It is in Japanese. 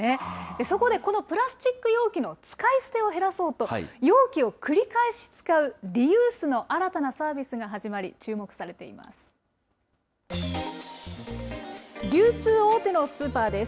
そこでこのプラスチック容器の使い捨てを減らそうと、容器を繰り返し使うリユースの新たなサービスが始まり、注目されています。